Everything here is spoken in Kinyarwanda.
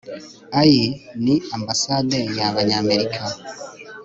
Iyi ni Ambasade yAbanyamerika